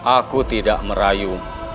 aku tidak merayu